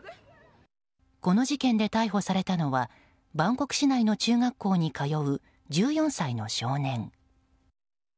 この事件で逮捕されたのはバンコク市内の中学校に通う１４歳の少年。